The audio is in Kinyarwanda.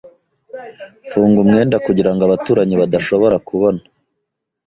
Funga umwenda kugirango abaturanyi badashobora kubona.